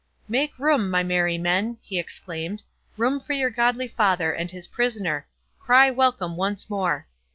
"Make room, my merry men!" he exclaimed; "room for your godly father and his prisoner—Cry welcome once more.